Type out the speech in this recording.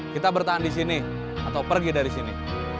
kita bertahan disini atau pergi dari sini